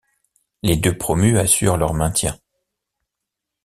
Les deux promus assurent leur maintien.